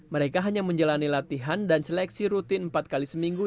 mereka hanya menjalani latihan dan seleksi rutin empat kali seminggu